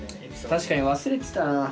確かに忘れてたなそれ。